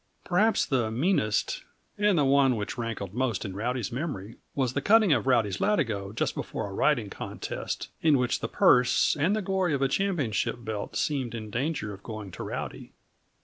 Perhaps the meanest, and the one which rankled most in Rowdy's memory, was the cutting of Rowdy's latigo just before a riding contest, in which the purse and the glory of a championship belt seemed in danger of going to Rowdy.